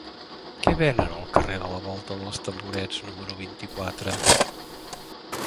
Què venen al carrer de la Volta dels Tamborets número vint-i-quatre?